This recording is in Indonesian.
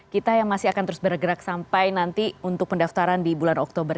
kita yang masih akan terus bergerak sampai nanti untuk pendaftaran di bulan oktober